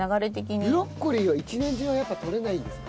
ブロッコリーは一年中はやっぱりとれないんですか？